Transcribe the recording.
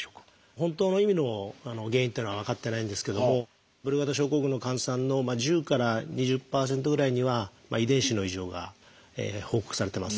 本当の意味の原因っていうのは分かってないんですけどもブルガダ症候群の患者さんの１０から２０％ぐらいには遺伝子の異常が報告されてます。